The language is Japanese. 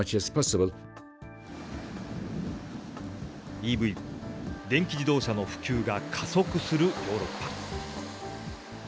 ＥＶ・電気自動車の普及が加速するヨーロッパ。